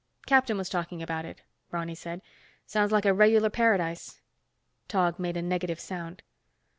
"Captain was talking about it," Ronny said. "Sounds like a regular paradise." Tog made a negative sound.